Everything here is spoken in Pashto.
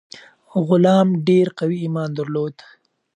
غلام ډیر قوي ایمان درلود.